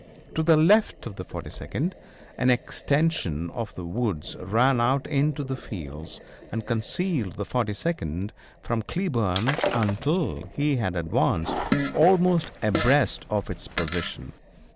To the left of the 42d an extension of the woods ran out into the fields and concealed the 42d from Cleburne until he had advanced almost abreast of its position.